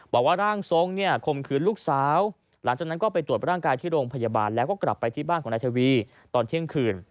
บอกว่าร่างทรงเนี่ยคมคืนลูกสาวหลังจากนั้นก็ไปตรวจร่างกายที่โรงพยาบาลแล้วก็กลับไปที่บ้านของนายทวีตอนเที่ยงคืน